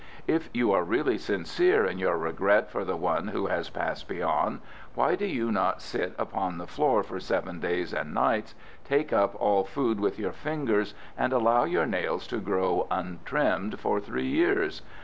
"If you are really sincere in your regret for the one who has Passed Beyond, why do you not sit upon the floor for seven days and nights, take up all food with your fingers, and allow your nails to grow untrimmed for three years?"